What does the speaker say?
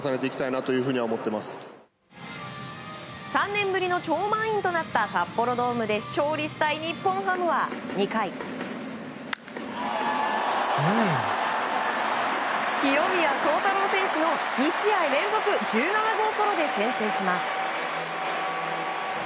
３年ぶりの超満員となった札幌ドームで勝利したい日本ハムは２回清宮幸太郎選手の２試合連続１７号ソロで先制します。